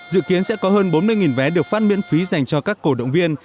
dự kiến sẽ có hơn bốn mươi vé được phát miễn phí dành cho các cổ động viên